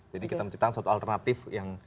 jadi kita menciptakan suatu alternatif yang